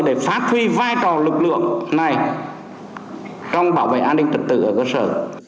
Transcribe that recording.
để phát huy vai trò lực lượng này trong bảo vệ an ninh trật tự ở cơ sở